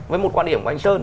với một quan điểm của anh sơn